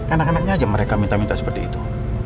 enak enaknya aja mereka minta minta seperti itu